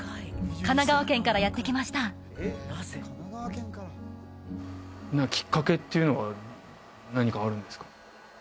神奈川県からやって来ましたきっかけっていうのは何かあるんですか？